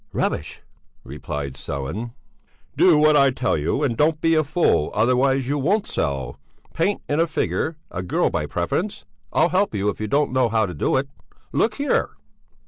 "Rubbish!" replied Sellén. "Do what I tell you, and don't be a fool, otherwise you won't sell. Paint in a figure; a girl by preference; I'll help you if you don't know how to do it. Look here...."